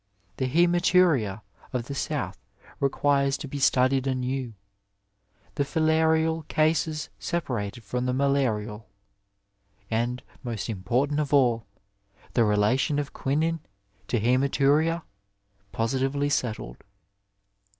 The haematuria of the South requires to be studied anew — ^the filarial cases separated from the malarial, and, most important of all, the relation of quinine to luematuria positively settled.